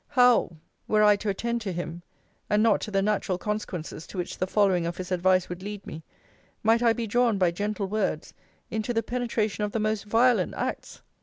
How, were I to attend to him, (and not to the natural consequences to which the following of his advice would lead me,) might I be drawn by gentle words into the penetration of the most violent acts!